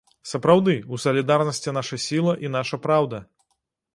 Сапраўды, у салідарнасці наша сіла і наша праўда!